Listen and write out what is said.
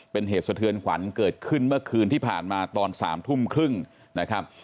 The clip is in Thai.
เป็นเหตุสะเทือนขวัญเกิดขึ้นเมื่อคืนที่ผ่านมาตอน๓ทุ่มครึ่งนะครับ